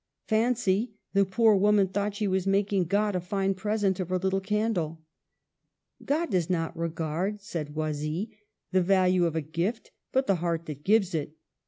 Fancy ! the poor woman thought she was making God a fine present of her little candle !"" God does not regard," said Oisille, " the value of a gift, but the heart that gives it.